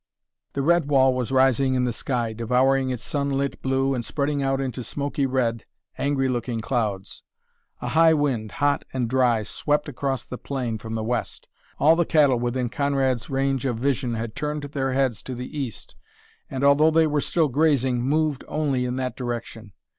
The red wall was rising in the sky, devouring its sunlit blue and spreading out into smoky red, angry looking clouds. A high wind, hot and dry, swept across the plain from the west. All the cattle within Conrad's range of vision had turned their heads to the east and, although they were still grazing, moved only in that direction.